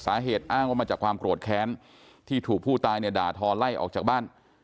สาเหตุอ้างว่ามันจากความโกรธแค้นที่ถูกผู้ตายด่าท้อนไล่ออกจากบ้าน